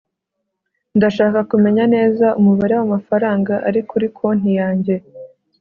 ndashaka kumenya neza umubare w'amafaranga ari kuri konti yanjye